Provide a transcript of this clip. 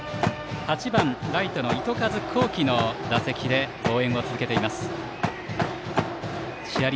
８番ライトの糸数幸輝の打席で応援を続けています。